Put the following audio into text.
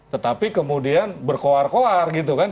tetapi kemudian berkoar koar gitu kan